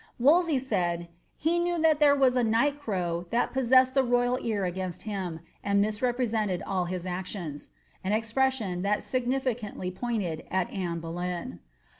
Wolsey said, ^ He knew that there was a niglU crow that pos sessed the royal ear against him, and misrepresented all his actions.'' An expression that significantly pointed at Anne Boleyn.